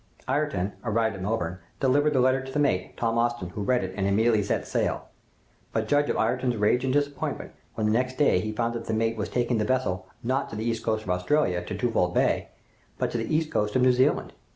"Ayrton, arrived at Melbourne, delivered the letter to the mate, Tom Austin, who read it and immediately set sail, but judge of Ayrton's rage and disappointment, when the next day he found that the mate was taking the vessel, not to the east coast of Australia, to Twofold Bay, but to the east coast of New Zealand.